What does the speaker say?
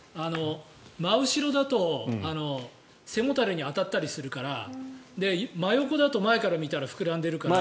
真後ろだと背もたれに当たったりするから真横だと前から見たら膨らんでいるから。